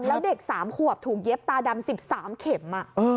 แล้วเด็ก๓ขวบถูกเย็บตาดำ๑๓เข็ม